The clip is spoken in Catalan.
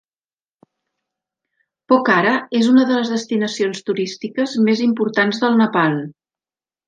Pokhara és una de les destinacions turístiques més importants del Nepal.